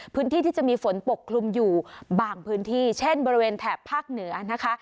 พื้นที่ที่จะมีฝนปกคลุมอยู่บางพื้นที่เช่นบริเวณแถบภาคเหนือนะคะ